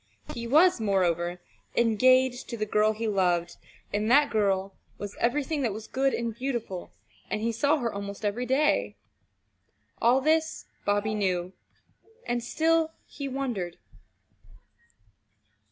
He was, moreover, engaged to the girl he loved, and that girl was everything that was good and beautiful, and he saw her almost every day. All this Bobby knew and still he wondered.